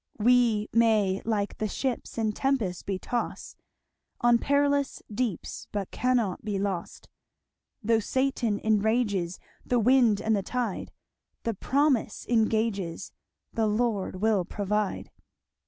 "We may like the ships In tempests be tossed On perilous deeps, But cannot be lost. Though Satan enrages The wind and the tide, The promise engages 'The Lord will provide.'